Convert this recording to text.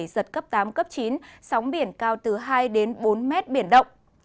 giật cấp tám cấp chín sóng biển cao từ hai đến bốn mét biển động